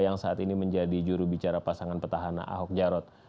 yang saat ini menjadi juru bicara pasangan petahana ahok jarod